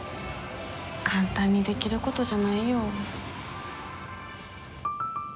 簡単にできることじゃないよ。